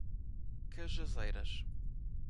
Cajazeiras